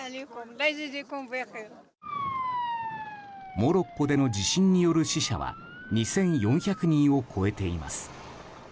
モロッコでの地震による死者は２４００人を超えています。